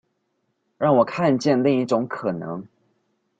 讓我看見另一種可能